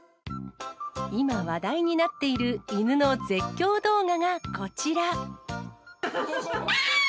今、話題になっている犬の絶叫動画がこちら。